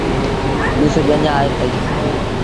ڏس ڄڃ آئي پئيٚ۔